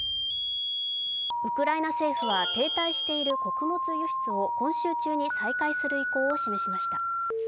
ウクライナ政府は停滞している穀物輸出を今週中に再開する意向を示しました。